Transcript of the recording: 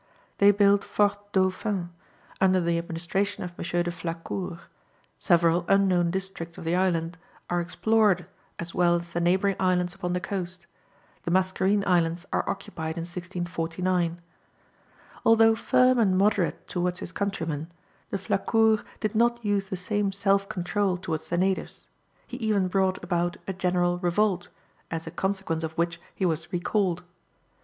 They build Fort Dauphin under the administration of M. de Flacourt; several unknown districts of the island are explored as well as the neighbouring islands upon the coast; the Mascarene Islands are occupied in 1649. Although firm and moderate towards his countrymen, De Flacourt did not use the same self control towards the natives; he even brought about a general revolt, as a consequence of which he was recalled.